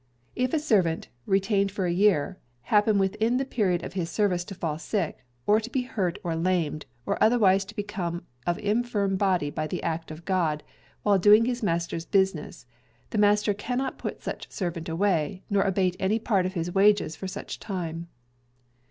If a Servant, retained for a year, happen within the period of his service to fall sick, or to be hurt or lamed, or otherwise to become of infirm body by the act of God, while doing his master's business, the master cannot put such servant away, nor abate any part of his wages for such time.